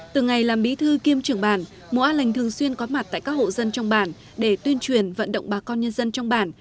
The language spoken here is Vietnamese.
từ ngày làm bí thư kiêm trưởng bản mùa an lành thường xuyên có mặt tại các hộ dân trong bản để tuyên truyền vận động bà con nhân dân trong bản